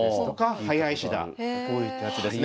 こういったやつですね。